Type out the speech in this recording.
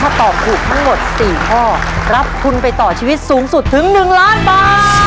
ถ้าตอบถูกทั้งหมด๔ข้อรับทุนไปต่อชีวิตสูงสุดถึง๑ล้านบาท